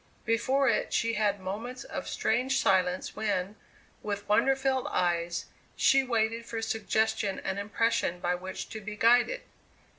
Before it she had moments of strange silence when, with wonder filled eyes, she waited for suggestion and impression by which to be guided.